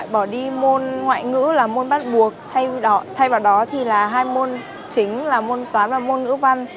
bỏ đi môn ngoại ngữ là môn bắt buộc thay vì thay vào đó thì là hai môn chính là môn toán và môn ngữ văn